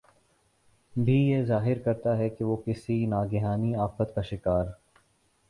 بھی یہ ظاہر کرتا ہے کہ وہ کسی ناگہانی آفت کا شکار